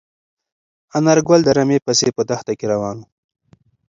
انارګل د رمې پسې په دښته کې روان و.